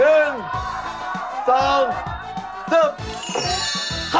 ยังยังไม่เปิด